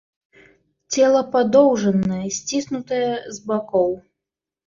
Цела падоўжанае, сціснутае з бакоў.